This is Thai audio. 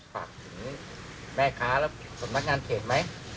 ฝากถึงแม่ค้าและสำนักงานเขตไหม